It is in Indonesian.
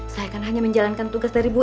saya kan hanya menjalankan tugas dari bu